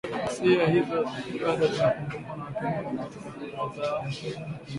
Ghasia hizo bado zinakumbukwa na Wakenya wengi katika fikra zao